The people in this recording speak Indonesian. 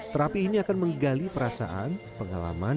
terapi ini akan menggali perasaan pengalaman